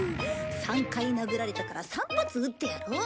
３回殴られたから３発撃ってやろう。